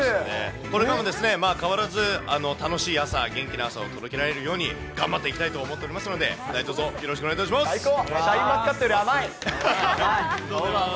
これからも変わらず楽しい朝、元気な朝を届けられるように、頑張っていきたいと思っておりますので、何とぞよろしくお願いいたします。